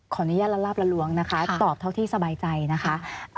อนุญาตละลาบละล้วงนะคะตอบเท่าที่สบายใจนะคะ